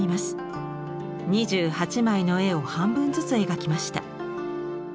２８枚の絵を半分ずつ描きました。